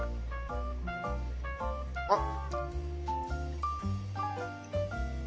あっ。